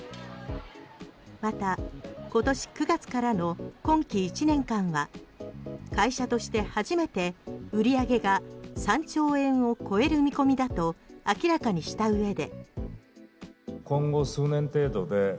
また、今年９月からの今期１年間は会社として初めて売り上げが３兆円を超える見込みだと明らかにした上で。